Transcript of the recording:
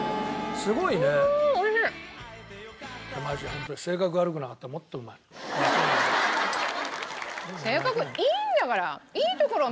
ホントに性格いいんだから。